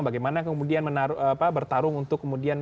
bagaimana kemudian bertarung untuk kemudian